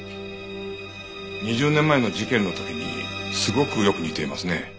２０年前の事件の時にすごくよく似ていますね。